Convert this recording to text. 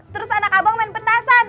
terus anak abang main petasan